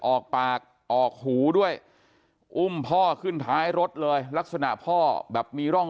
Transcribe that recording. ออกปากออกหูด้วยอุ้มพ่อขึ้นท้ายรถเลยลักษณะพ่อแบบมีร่อง